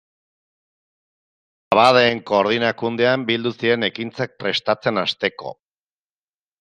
Abadeen Koordinakundean bildu ziren ekintzak prestatzen hasteko.